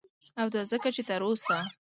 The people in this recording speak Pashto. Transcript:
او دا ځکه چه تر اوسه